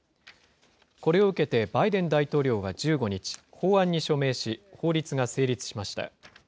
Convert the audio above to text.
これを受けてバイデン大統領は１５日、法案に署名し、法律が成立しました。